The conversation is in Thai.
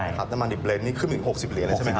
น้ำมันดิบเลนซ์นี่ขึ้นมาอีก๖๐เหรียญแล้วใช่ไหมครับ